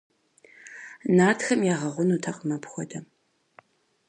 Нартхэм ягъэгъунутэкъым апхуэдэ.